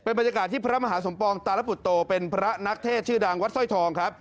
บรรยากาศที่พระมหาสมปองตาลปุตโตเป็นพระนักเทศชื่อดังวัดสร้อยทองครับ